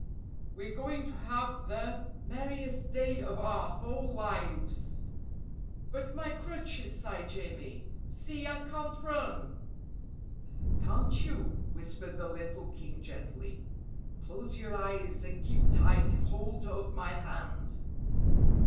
We're going to have the merriest day of our whole lives!" "But my crutches," sighed Jamie. "See, I can't run." "Can't you?" whispered the little King gently. "Close your eyes and keep tight hold of my hand."